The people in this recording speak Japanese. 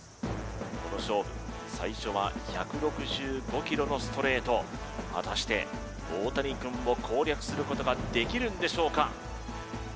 この勝負最初は１６５キロのストレート果たしてオオタニくんを攻略することができるんでしょうか